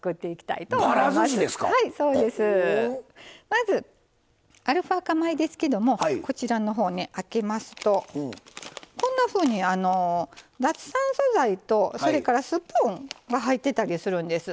まずアルファ化米ですけどもこちらのほうね開けますとこんなふうに脱酸素剤とそれからスプーンが入ってたりするんです。